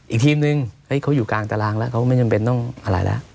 อีกทีมนึงเขาอยู่กลางตารางแล้วเขาไม่จำเป็นต้องอะไรแล้ว